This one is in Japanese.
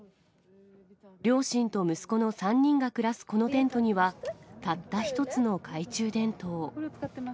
両親と息子の３人が暮らすこのテントにはたった１つの懐中電灯。